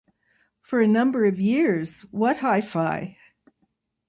For a number of years, What Hi-Fi?